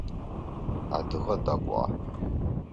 Адыгэ дакӏуагъ.